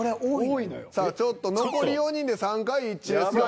さあちょっと残り４人で３回一致ですから。